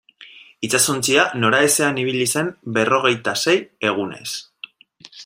Itsasontzia noraezean ibili zen berrogeita sei egunez.